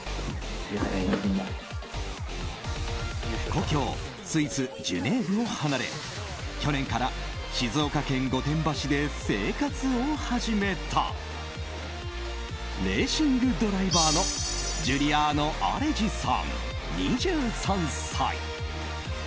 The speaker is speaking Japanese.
故郷スイス・ジュネーブを離れ去年から静岡県御殿場市で生活を始めたレーシングドライバーのジュリアーノ・アレジさん２３歳。